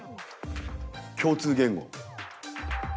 共通言語。